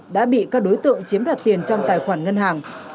đã bị các đối tượng chiếm đoạt tiền trong tài khoản ngân hàng